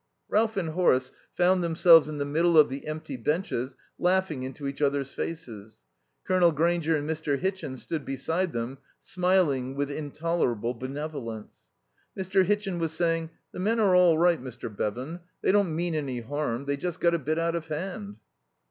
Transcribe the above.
Ralph and Horace found themselves in the middle of the empty benches laughing into each other's faces. Colonel Grainger and Mr. Hitchin stood beside them, smiling with intolerable benevolence. Mr. Hitchin was saying: "The men are all right, Mr. Bevan. They don't mean any harm. They just got a bit out of hand."